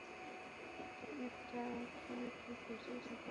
একটা কনেকে খুশির সাথে বিদায় করো, রামা।